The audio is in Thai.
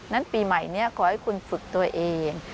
ปีใหม่นี้ขอให้คุณฝึกตัวเอง